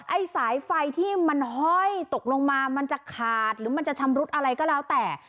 ไอ้สายไฟที่มันห้อยตกลงมามันจะขาดหรือมันจะชำรุดอะไรก็แล้วแต่